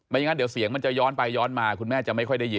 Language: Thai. อย่างนั้นเดี๋ยวเสียงมันจะย้อนไปย้อนมาคุณแม่จะไม่ค่อยได้ยิน